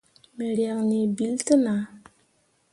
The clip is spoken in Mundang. Me riak nii bill te nah.